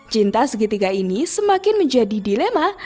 cinta segitiga ini semakin menjadi dilema